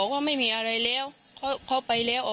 โว้ว